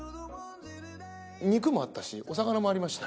肉もあったしお魚もありました。